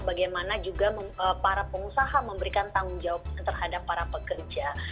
bagaimana juga para pengusaha memberikan tanggung jawab terhadap para pekerja